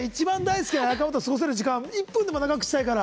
過ごせる時間１分でも長くしたいから。